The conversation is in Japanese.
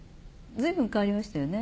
随分変わりましたよね。